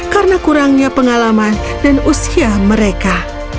karena kurangnya pengalaman dan usia mereka